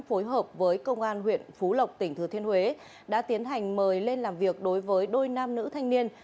phối hợp với công an huyện phú lộc tỉnh thừa thiên huế đã tiến hành mời lên làm việc đối với đôi nam nữ thanh niên